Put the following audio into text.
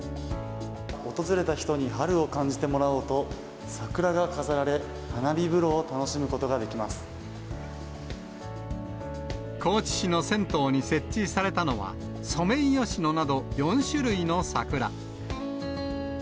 訪れた人に春を感じてもらおうと、桜が飾られ、高知市の銭湯に設置されたのは、ソメイヨシノなど４種類の桜。